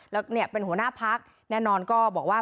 แล้วเนี่ยเป็นหัวหน้าพักแน่นอนก็บอกว่า